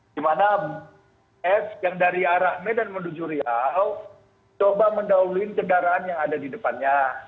di mana s yang dari arah medan menuju riau coba mendahului kendaraan yang ada di depannya